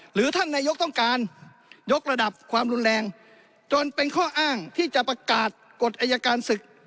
หรือท่านนายกต้องการยกระดับความรุนแรงจนเป็นข้ออ้างที่จะประกาศกฎอายการศึก